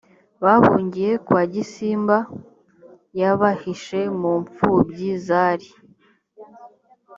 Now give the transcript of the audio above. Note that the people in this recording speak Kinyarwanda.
bahungiye kwa gisimba yabahishe mu mfubyi zari